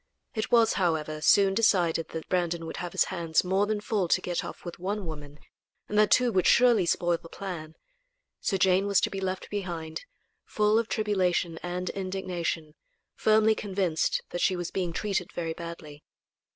It was, however, soon decided that Brandon would have his hands more than full to get off with one woman, and that two would surely spoil the plan. So Jane was to be left behind, full of tribulation and indignation, firmly convinced that she was being treated very badly.